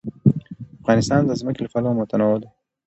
افغانستان د ځمکه له پلوه متنوع دی.